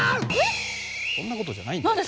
そんなことじゃないんだよ。